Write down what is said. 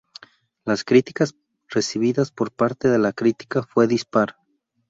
Las críticas recibidas por parte de la crítica fue dispar.